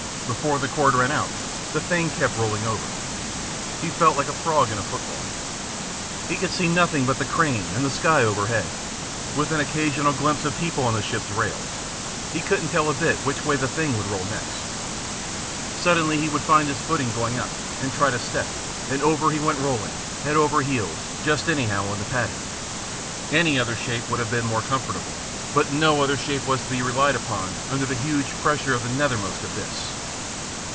Before the cord ran out, the thing kept rolling over. He felt like a frog in a football. He could see nothing but the crane and the sky overhead, with an occasional glimpse of the people on the ship's rail. He couldn't tell a bit which way the thing would roll next. Suddenly he would find his feet going up, and try to step, and over he went rolling, head over heels, and just anyhow, on the padding. Any other shape would have been more comfortable, but no other shape was to be relied upon under the huge pressure of the nethermost abyss.